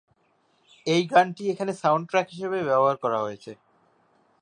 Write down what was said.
এই গানটি এখানে সাউন্ডট্র্যাক হিসেবে ব্যবহার করা হয়েছে।